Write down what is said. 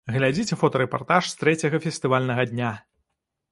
Глядзіце фотарэпартаж з трэцяга фестывальнага дня!